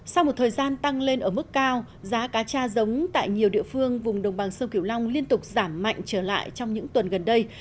sau một thời gian tăng lên ở mức cao giá cá cha giống tại nhiều địa phương vùng đồng bằng sông kiểu long liên tục giảm mạnh trở lại trong những tuần gần đây